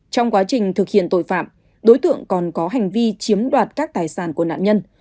trong quá trình thực hiện tội phạm đối tượng còn có hành vi chiếm đoạt các tài sản của nạn nhân